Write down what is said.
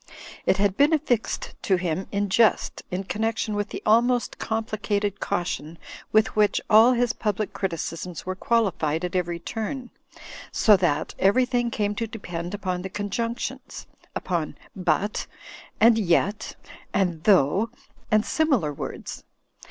It had been affixed to him in jest in connection with the almost complicated cau tion with which all his public criticisms were qualified at every turn; so that everything came to depend upon the conjunctions ; upon "but" and "yet" and "though" and similar words.